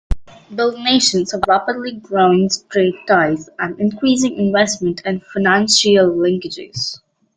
Both nations have rapidly growing trade ties and increasing investment and financial linkages.